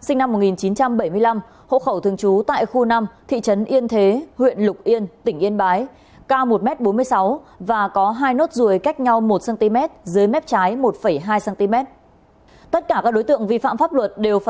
xin kính chào tạm biệt và hẹn gặp lại